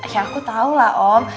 ya aku tahu lah om